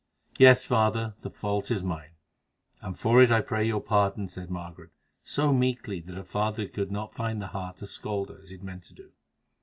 "Yes, father, the fault is mine, and for it I pray your pardon," said Margaret, so meekly that her father could not find the heart to scold her as he had meant to do.